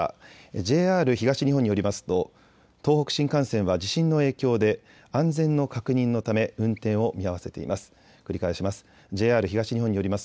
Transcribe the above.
ＪＲ東日本によりますと東北新幹線は地震の影響で安全の確認のため運転を見合わせています。